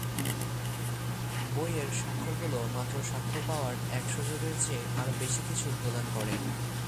বইয়ের স্বাক্ষরগুলো মাত্র স্বাক্ষর পাওয়ার এক সুযোগের চেয়ে আরও বেশি কিছু প্রদান করে।